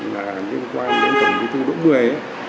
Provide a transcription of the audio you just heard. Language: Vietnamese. là liên quan đến tổng bí thư đỗ mười